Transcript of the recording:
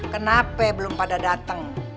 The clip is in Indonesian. kenapa belum pada dateng